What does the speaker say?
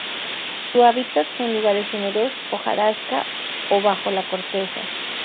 Su hábitat son lugares húmedos, hojarasca o bajo la corteza.